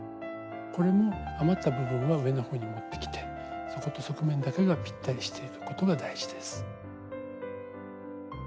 これも余った部分は上の方に持ってきて底と側面だけがぴったりしていることが大事です。